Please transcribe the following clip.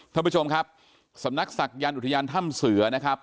ท่านผู้ชมครับสำนักศักยันต์อุทยานถ้ำเสือนะครับ